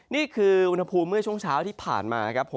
นี่คืออุณหภูมิเมื่อช่วงเช้าที่ผ่านมาครับ